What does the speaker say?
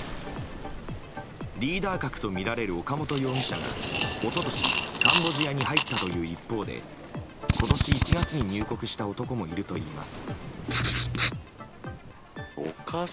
リーダー格とみられる岡本容疑者が一昨年カンボジアに入ったという一方で今年１月に入国した男もいるといいます。